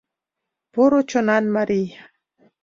Поро чонан марий.